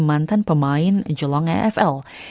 mantan pemain jolong efl